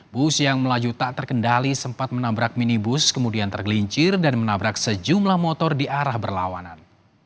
bus yang melaju tak terkendali sempat menabrak minibus kemudian tergelincir dan menabrak sejumlah motor di arah berlawanan